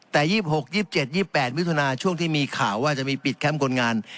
แต่๒๖๒๗๒๘มิถุนาช่วงที่มีข่าวว่าจะมีปิดแคมป์คนงาน